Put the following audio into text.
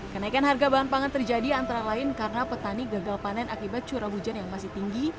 kenaikan harga bahan pangan terjadi antara lain karena petani gagal panen akibat curah hujan yang masih tinggi